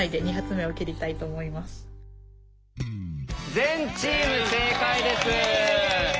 全チーム正解です。